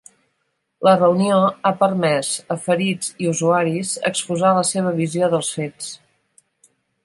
La reunió ha permès a ferits i usuaris exposar la seva visió dels fets.